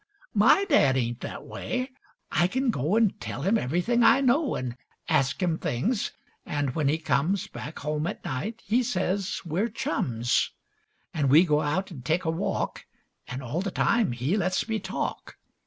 My Dad ain't that way I can go An' tell him everything I know, An' ask him things, an' when he comes Back home at night he says we're chums; An' we go out an' take a walk, An' all the time he lets me talk.